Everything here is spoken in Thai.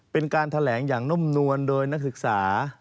เป็นการแถลงอย่างนุ่มนวลโดยนักศึกษา